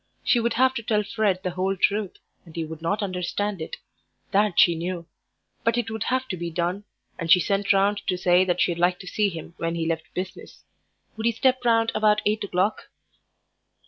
She would have to tell Fred the whole truth, and he would not understand it; that she knew. But it would have to be done, and she sent round to say she'd like to see him when he left business. Would he step round about eight o'clock?